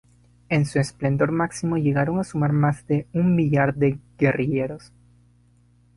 En su esplendor máximo, llegaron a sumar más de un millar de guerrilleros.